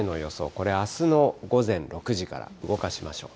これ、あすの午前６時から動かしましょう。